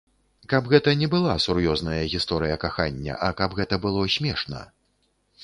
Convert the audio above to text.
Каб гэта не была сур'ёзная гісторыя кахання, а каб гэта было смешна.